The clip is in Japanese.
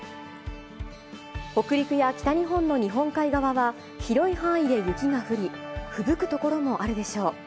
北陸や北日本の日本海側は、広い範囲で雪が降り、ふぶく所もあるでしょう。